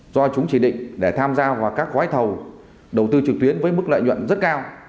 do chúng chỉ định để tham gia vào các gói thầu đầu tư trực tuyến với mức lợi nhuận rất cao